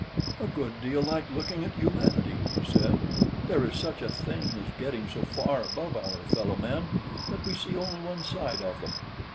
"A good deal like looking at humanity," he said; "there is such a thing as getting so far above our fellow men that we see only one side of them."